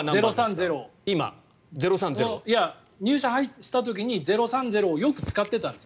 ０３０？入社した時に０３０をよく使ってたんです。